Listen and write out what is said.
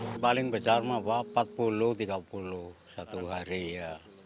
paling besar empat puluh tiga puluh satu hari ya